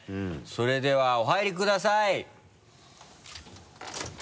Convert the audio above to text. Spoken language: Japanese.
それではお入りください。